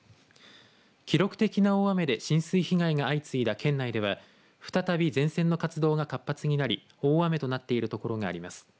記録的な大雨で浸水被害が相次いだ県内では再び前線の活動が活発になり大雨となっているところがあります。